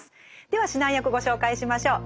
では指南役ご紹介しましょう。